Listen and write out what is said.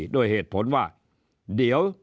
ด้วยเหตุผลว่าเดี๋ยว